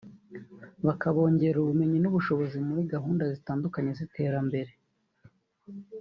bakabongerera ubumenyi n’ubushobozi muri gahunda zitandukanye z’iterambere